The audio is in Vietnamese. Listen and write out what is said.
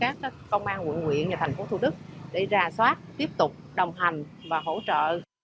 các công an nguyện nguyện và tp hcm để ra soát tiếp tục đồng hành và hỗ trợ